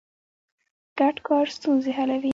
ګډ کار ستونزې حلوي.